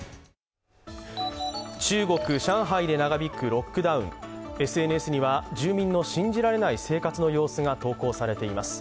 中国・上海で長引くロックダウンＳＮＳには、住民の信じられない生活の様子が投稿されています。